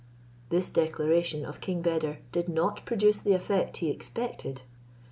This declaration of King Beder did not produce the effect he expected.